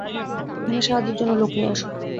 এখানে সাহায্যের জন্য লোক নিয়ে আসো!